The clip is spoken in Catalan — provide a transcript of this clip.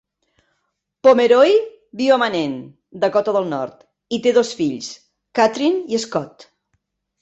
Pomeroy viu a Manen, Dakota del Nord, i té dos fills: Kathryn i Scott.